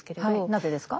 なぜですか？